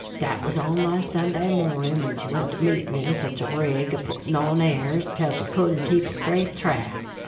Dat was on last Sunday mornin', when she went to meetin' in sich a rig, a puttin' on airs, tell she couldn't keep a straight track.